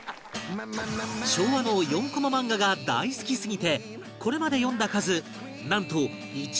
昭和の４コマ漫画が大好きすぎてこれまで読んだ数なんと１万話以上